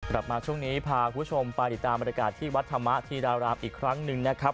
กลับมาช่วงนี้พาคุณผู้ชมไปติดตามบรรยากาศที่วัดธรรมธีรารามอีกครั้งหนึ่งนะครับ